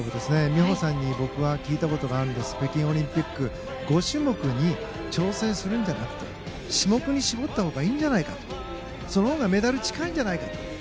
美帆さんに僕は聞いたことがあるんですが北京オリンピック５種目に挑戦するんじゃなくて種目に絞ったほうがいいんじゃないかとそのほうがメダルが近いんじゃないかと。